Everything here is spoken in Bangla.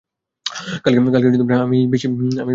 কালকে আমি বেশিই বেয়াদব হয়ে গিয়েছিলাম।